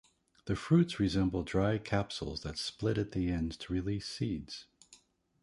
The fruits resemble dry capsules that split at the ends to release seeds.